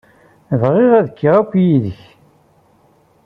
Bɣiɣ ad kkeɣ akud yid-k.